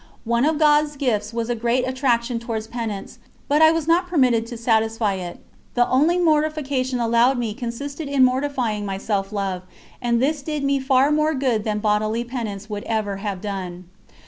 One of God's gifts was a great attraction towards penance, but I was not permitted to satisfy it; the only mortification allowed me consisted in mortifying my self love, and this did me far more good than bodily penance would have done.